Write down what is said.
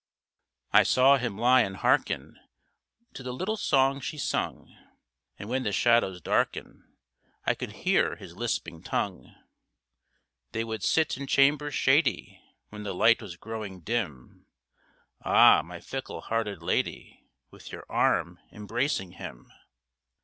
I saw him lie and harken To the little songs she sung, And when the shadows darken I could hear his lisping tongue. They would sit in chambers shady, When the light was growing dim, Ah, my fickle hearted lady! With your arm embracing him.